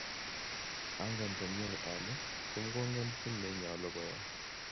Angen komie ole Tom kongen kiit ne nyolu koyai.